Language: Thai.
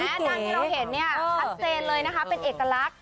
ด้านที่เราเห็นเนี่ยชัดเจนเลยนะคะเป็นเอกลักษณ์